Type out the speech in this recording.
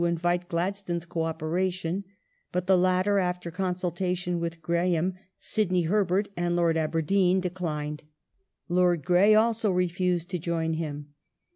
tion of mvite Gladstones co operation, but the latter, after consultation J^°^^ with Graham, Sidney Herbert, and Lord Aberdeen, declined. Feb. 22nd, Lord Grey also refused to join him.